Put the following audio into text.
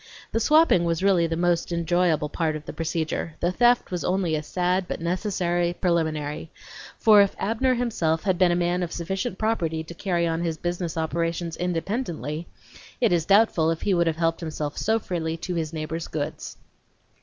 The swapping was really the enjoyable part of the procedure, the theft was only a sad but necessary preliminary; for if Abner himself had been a man of sufficient property to carry on his business operations independently, it is doubtful if he would have helped himself so freely to his neighbor's goods.